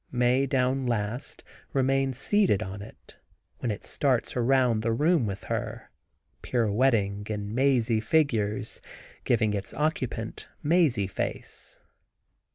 Mae down last, remains seated on it, when it starts around the room with her, pirouetting in mazy figures, giving its occupant mazy face.